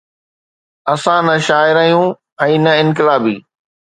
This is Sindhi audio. اسان نه شاعر آهيون ۽ نه انقلابي.